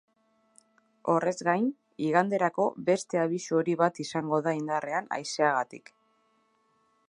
Horrez gain, iganderako beste abisu hori bat izango da indarrean haizeagatik.